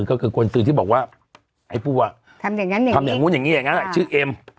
ก็คือกุญซื้อที่บอกว่าไอ้ปู่อ่ะทำอย่างงั้นอย่างงี้ชื่อเอ็ม